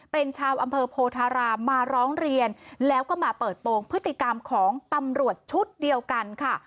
เป็นชาวอำเภอโพธารามมาร้องเรียนแล้วก็มาเปิดโปรงพฤติกรรมของตำรวจชุดเดียวกันค่ะ